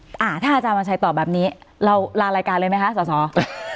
ถ้าอาจารย์วันชัยตอบแบบนี้เราลารายการเลยไหมคะสอสอ